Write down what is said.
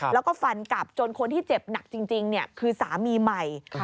แล้วก็ฟันกลับจนคนที่เจ็บหนักจริงคือสามีใหม่